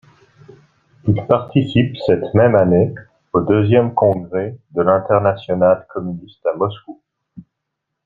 Il participe cette même année au deuxième congrès de l'internationale communiste, à Moscou.